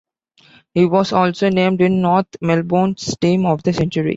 He was also named in North Melbourne's team of the century.